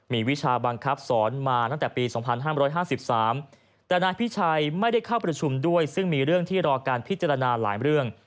มีวิชาบังคับสอนมาตั้งแต่ปี๒๕๕๓แต่นายพิชัยไม่ได้เข้าประชุมด้วยซึ่งมีเรื่องที่รอการพิจารณาหลายเรื่อง